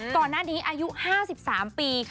ตอนนั้นนี้อายุ๕๓ปี